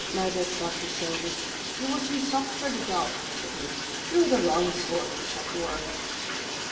McMurdo shrugged his shoulders. "You were too soft for the job," said he. "You are the wrong sort for such work."